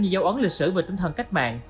ghi dấu ấn lịch sử về tinh thần cách mạng